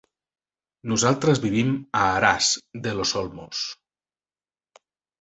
Nosaltres vivim a Aras de los Olmos.